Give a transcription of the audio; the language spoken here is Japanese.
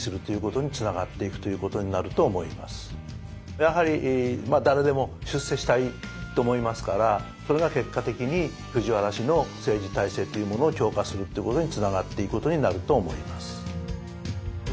やはり誰でも出世したいと思いますからそれが結果的に藤原氏の政治体制っていうものを強化するっていうことにつながっていくことになると思います。